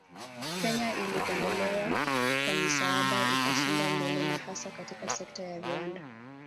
Kenya ilipendelewa kwa misaada ikasonga mbele na hasa katika sekta ya viwanda